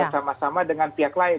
sama sama dengan pihak lain